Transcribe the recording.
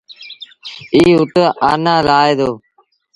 ايٚ اُت آنآ لآهي دو۔